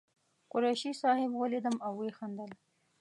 قریشي صاحب ولیدم او وخندل.